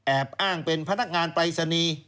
แอบ๑๙๙๐นเป็นพนักงานปรายศนีย์